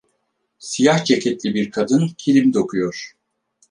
Siyah ceketli bir kadın kilim dokuyor